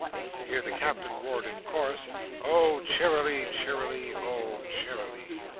Here the Captain roared in chorus— "Oh cheerily, cheerily! Oh cheer i ly!"